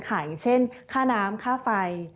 อย่างเช่นค่าน้ำค่าไฟ